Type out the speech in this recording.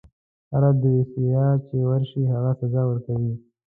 هره دوسیه چې ورشي هغه سزا ورکوي.